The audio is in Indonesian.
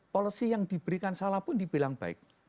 policy yang diberikan salah pun dibilang baik